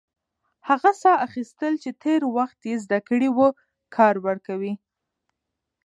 هغه ساه اخیستل چې تېر وخت يې زده کړی و، کار ورکوي.